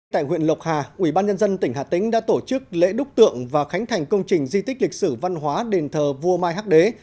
tại huyện lộc hà ủy ban nhân dân tỉnh hà tĩnh đã tổ chức lễ đúc tượng và khánh thành công trình di tích lịch sử văn hóa đền thờ vua mai hắc đế